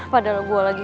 padahal gue lagi